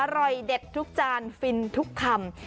อร่อยเด็ดทุกจานฟินทุกคำ